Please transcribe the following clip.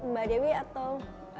mbak dewi atau